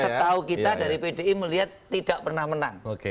setahu kita dari pdi melihat tidak pernah menang